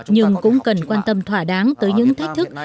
nhưng cũng cần quan tâm thỏa đáng tới những thách thức